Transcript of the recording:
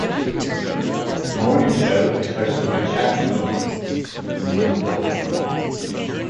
The morning show is hosted by Chad McDonald and Michael Ball.